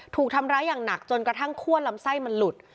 ถูกทำร้ายอย่างหนักจนกระทั่งคั่วลำไส้มันหลุด